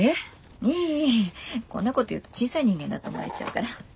こんなこと言うと小さい人間だと思われちゃうから。